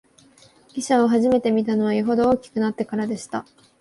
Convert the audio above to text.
汽車をはじめて見たのは、よほど大きくなってからでした